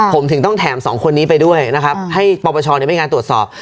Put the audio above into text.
ผมถึงต้องแถมสองคนนี้ไปด้วยนะครับให้ปปชไม่มีการตรวจสอบ